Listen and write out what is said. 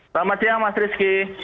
selamat siang mas rizky